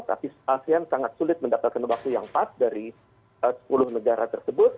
tapi asean sangat sulit mendapatkan waktu yang pas dari sepuluh negara tersebut